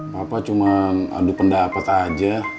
papa cuma adu pendapat aja